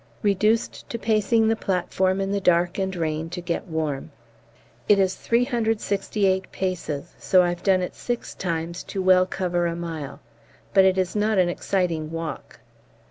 Reduced to pacing the platform in the dark and rain to get warm. It is 368 paces, so I've done it six times to well cover a mile, but it is not an exciting walk!